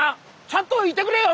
ちゃんといてくれよ！